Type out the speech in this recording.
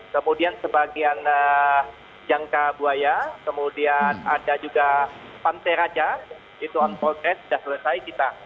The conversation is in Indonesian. kemudian sebagian jangka buaya kemudian ada juga pantai raja itu onpoldcast sudah selesai kita